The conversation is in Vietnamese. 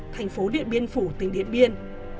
thành phố điện biên phủ tỉnh điện biên